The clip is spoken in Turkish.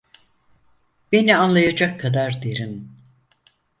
Beni anlayacak kadar derin…